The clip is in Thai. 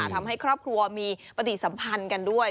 ทำให้ครอบครัวมีปฏิสัมพันธ์กันด้วย